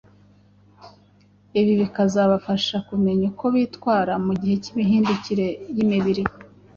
Ibi bikazabafasha kumenya uko bitwara mu gihe k’imihindukire y’imibiri